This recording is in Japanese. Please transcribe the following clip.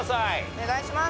お願いします